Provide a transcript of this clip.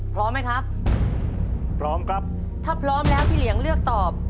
พร้อมไหมครับพร้อมครับถ้าพร้อมแล้วพี่เหลียงเลือกตอบ